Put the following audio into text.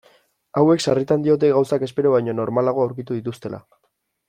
Hauek sarritan diote gauzak espero baino normalago aurkitu dituztela.